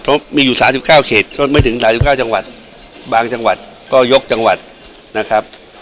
เพราะมีอยู่๓๙เขตก็ไม่ถึง๓๙จังหวัดบางจังหวัดก็ยกจังหวัดนะครับ